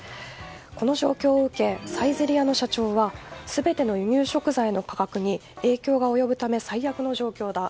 この状況を受けサイゼリヤの社長は全ての輸入食材の価格に影響が及ぶため最悪の状況だ。